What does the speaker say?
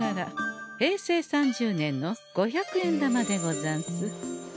平成３０年の五百円玉でござんす。